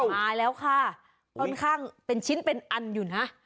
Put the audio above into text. มาแล้วค่ะค่อนข้างเป็นชิ้นเป็นอันอยู่นะ